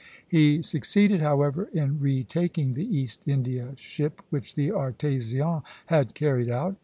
He succeeded, however, in retaking the East India ship which the "Artésien" had carried out.